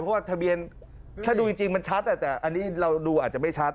เพราะว่าทะเบียนถ้าดูจริงมันชัดแต่อันนี้เราดูอาจจะไม่ชัด